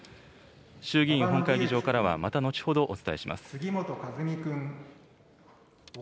衆議院本会議場からは、また後ほどお伝えします。